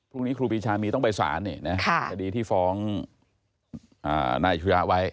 พรุ่งนี้ครูปรีชามีต้องไปสานเนี่ยจะดีที่ฟ้องนายชุยาไว้